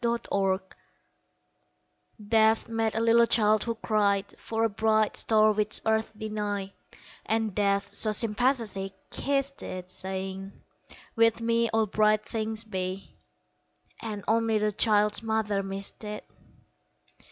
Laureate DEATH met a little child who cried For a bright star which earth denied, And Death, so sympathetic, kissed it, Saying: "With me All bright things be!" And only the child's mother missed it.